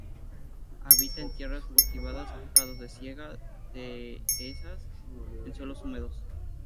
Habita en tierras cultivadas, prados de siega, dehesas, en suelos húmedos.